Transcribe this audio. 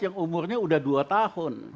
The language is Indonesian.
yang umurnya udah dua tahun